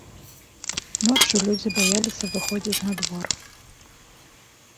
Ноччу людзі баяліся выходзіць на двор.